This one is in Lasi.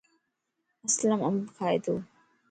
اسلم انب کائي تو.